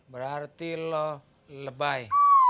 berarti lo lebay